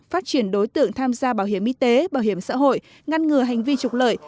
phát triển đối tượng tham gia bảo hiểm y tế bảo hiểm xã hội ngăn ngừa hành vi trục lợi